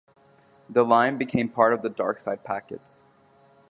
The lime became part of their Darkside packets.